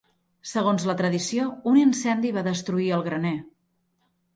Segons la tradició, un incendi va destruir el graner.